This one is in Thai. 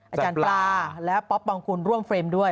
อาจารย์ปลาและป๊อปปองคุณร่วมเฟรมด้วย